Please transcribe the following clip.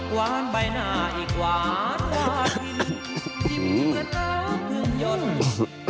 เฮียที่สุด